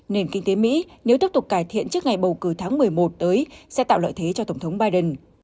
nền kinh tế mỹ nếu tiếp tục cải thiện trước ngày bầu cử tháng một mươi một tới sẽ tạo lợi thế cho tổng thống biden